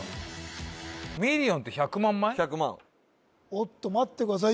おっと待ってください